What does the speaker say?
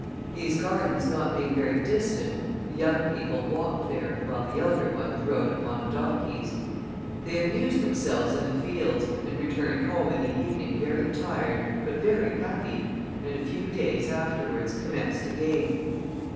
These gardens not being very distant, the young people walked there, while the elder ones rode upon donkeys. They amused themselves in the fields, and returned home in the evening very tired, but very happy, and a few days afterwards commenced again.